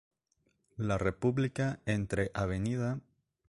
La República entre Av.